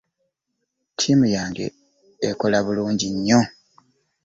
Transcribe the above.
Ttiimu yange ekola bulungi nnyo.